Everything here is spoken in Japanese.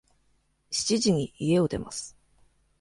七時に家を出ます。